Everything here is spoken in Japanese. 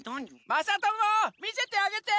まさともみせてあげて！